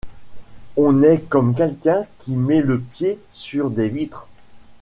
On est comme quelqu’un qui met le pied sur des vitres.